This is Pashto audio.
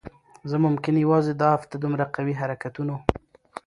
زه ممکن یوازی دا هفته دومره قوي حرکتونو